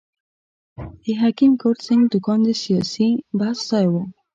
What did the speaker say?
د حکیم کرت سېنګ دوکان د سیاسي بحث ځای وو.